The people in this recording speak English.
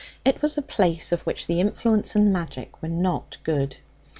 It was a place of which the influence and magic were not good.